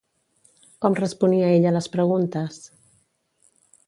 Com responia ella les preguntes?